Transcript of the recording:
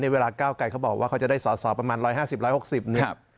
เวลาก้าวไกรเขาบอกว่าเขาจะได้สอสอประมาณ๑๕๐๑๖๐เนี่ย